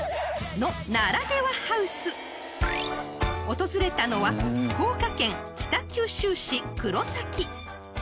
［訪れたのは福岡県北九州市黒崎］